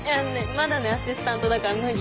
まだねアシスタントだから無理。